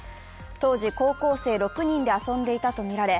当時、高校生６人で遊んでいたとみられ